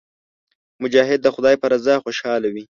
مجاهد د خدای په رضا خوشاله وي.